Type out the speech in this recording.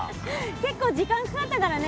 結構時間かかったからね